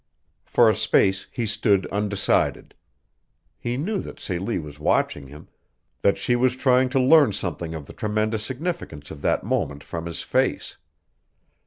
For a space he stood undecided. He knew that Celie was watching him that she was trying to learn something of the tremendous significance of that moment from his face.